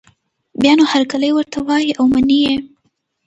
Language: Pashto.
بیا نو هرکلی ورته وايي او مني یې